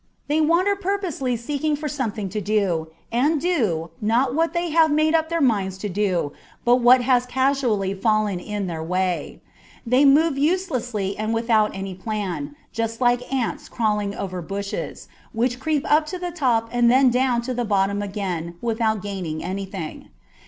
They wander purposelessly seeking for something to do, and do, not what they have made up their minds to do, but what has causually fallen in their way. They move uselessly and without any plan, just like ants crawling over bushes, which creep up to the top and then down to the bottom again without gaining anything.